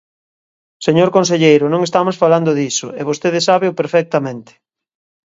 Señor conselleiro, non estamos falando diso, e vostede sábeo perfectamente.